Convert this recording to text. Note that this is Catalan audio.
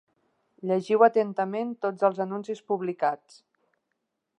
Llegiu atentament tots els anuncis publicats.